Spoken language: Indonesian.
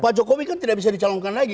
pak jokowi kan tidak bisa dicalonkan lagi